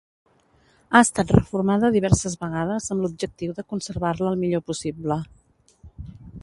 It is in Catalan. Ha estat reformada diverses vegades amb l'objectiu de conservar-la el millor possible.